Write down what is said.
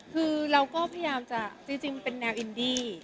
คือเราก็พยายามจะจริงเป็นแนวอินดี้